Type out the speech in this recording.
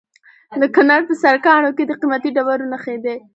د کونړ په سرکاڼو کې د قیمتي ډبرو نښې دي.